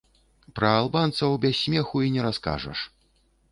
Пра албанцаў без смеху і не раскажаш.